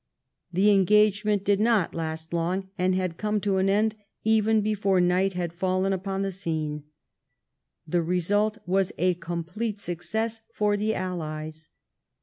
The engagement did not last long, and had come to an end even before night had fallen upon the scene. The result was a complete success for the AUies.